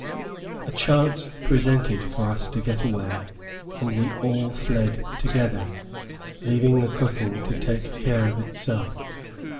A chance presented for us to get away, and we all fled together, leaving the cooking to take care of itself.